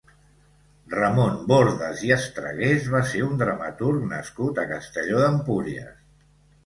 Ramon Bordas i Estragués va ser un dramaturg nascut a Castelló d'Empúries.